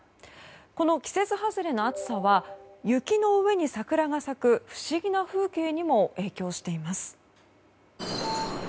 この季節外れの暑さは雪の上に桜が咲く不思議な風景にも影響しています。